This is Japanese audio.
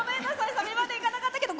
サビまでいかなかったけど。